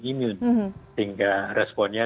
imun sehingga responnya